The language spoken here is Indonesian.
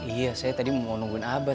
iya saya tadi mau nungguin abah